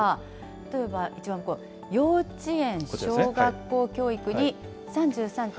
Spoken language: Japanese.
例えば、幼稚園・小学校教育に３３．１５円。